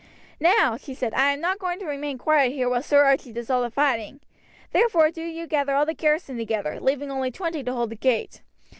"Now," she said, "I am not going to remain quiet here while Sir Archie does all the fighting, therefore do you gather all the garrison together, leaving only twenty to hold the gate.